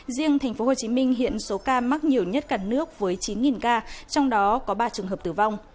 riêng tp hcm hiện số ca mắc nhiều nhất cả nước với chín ca trong đó có ba trường hợp tử vong